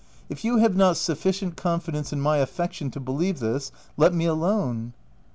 If you have not sufficient confidence in my af fection to believe this, let me alone."